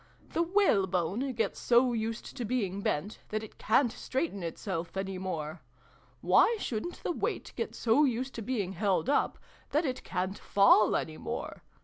The whalebone gets so used to being bent, that it ca'n't straighten itself any more. Why shouldn't the weight get so used to being held up, that it ca'n't fall any more